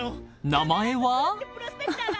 ［名前は？］